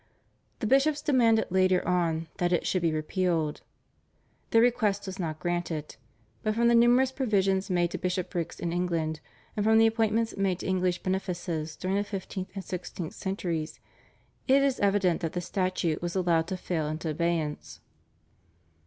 The bishops demanded later on that it should be repealed. Their request was not granted, but from the numerous provisions made to bishoprics in England and from the appointments made to English benefices during the fifteenth and sixteenth centuries it is evident that the Statute was allowed to fall into abeyance.